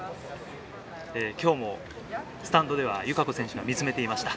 きょうもスタンドでは、友香子選手が見つめていました。